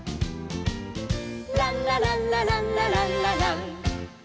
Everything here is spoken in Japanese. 「ランラランラランラランララン」